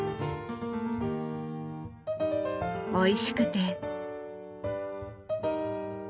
おいしくて。